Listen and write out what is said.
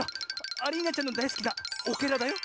アリーナちゃんのだいすきなオケラだよ。